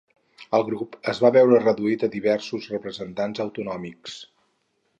El grup es va veure reduït a diversos representants autonòmics.